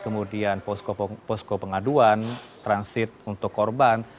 kemudian posko pengaduan transit untuk korban